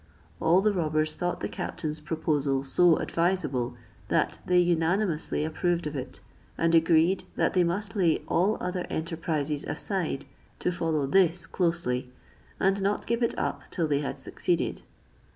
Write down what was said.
All the robbers thought the captain's proposal so advisable, that they unanimously approved of it, and agreed that they must lay all other enterprises aside, to follow this closely, and not give it up till they had succeeded.